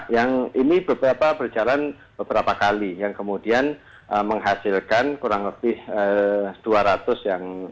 yang ini beberapa berjalan beberapa kali yang kemudian menghasilkan kurang lebih dua ratus yang